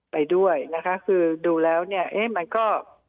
ไปด้วยนะคะคือดูแล้วเนี่ยเอ๊ะมันก็